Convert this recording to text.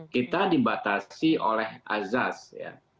kita dibatasi oleh azaz ya